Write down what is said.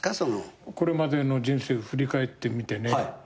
これまでの人生振り返ってみてね